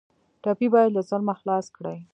ټپي باید له ظلمه خلاص کړئ.